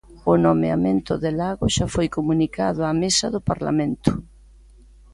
O nomeamento de Lago xa foi comunicado á Mesa do Parlamento.